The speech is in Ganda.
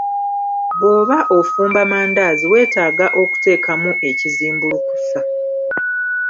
Bw'oba ofumba mandaazi wetaaga okuteekamu ekizimbulukusa.